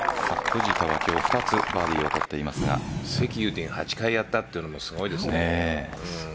藤田は今日２つバーディーをセキ・ユウティン８回やったっていうのもすごいですね。